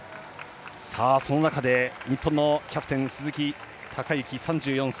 その中で日本のキャプテン鈴木孝幸、３４歳。